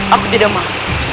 aku tidak mau